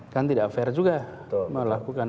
kan tidak fair juga melakukan